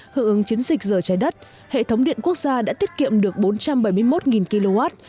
hữu ứng chiến dịch giờ trái đất hệ thống điện quốc gia đã tiết kiệm được bốn trăm bảy mươi một kw